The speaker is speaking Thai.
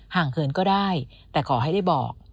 เขินก็ได้แต่ขอให้ได้บอก